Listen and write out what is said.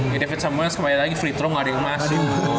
ya david samuels kembali lagi free throw gak dikemasin